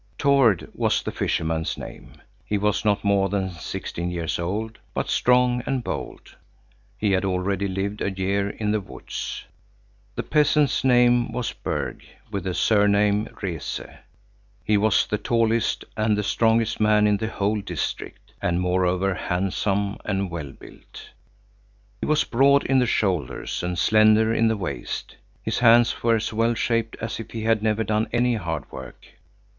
Tord was the fisherman's name. He was not more than sixteen years old, but strong and bold. He had already lived a year in the woods. The peasant's name was Berg, with the surname Rese. He was the tallest and the strongest man in the whole district, and moreover handsome and well built. He was broad in the shoulders and slender in the waist. His hands were as well shaped as if he had never done any hard work.